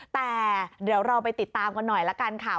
แต่เดี๋ยวเราไปติดตามกันหน่อยละกันค่ะ